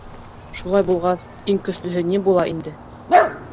— Шулай булғас, иң көслөһө ни була инде?